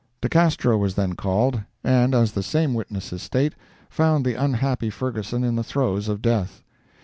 De Castro was then called, and as the same witnesses state, found the unhappy Ferguson in the throes of death.